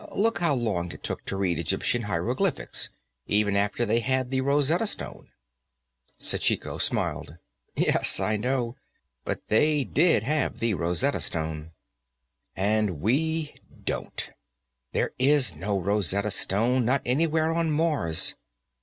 Look how long it took to read Egyptian hieroglyphics, even after they had the Rosetta Stone." Sachiko smiled. "Yes. I know. But they did have the Rosetta Stone." "And we don't. There is no Rosetta Stone, not anywhere on Mars.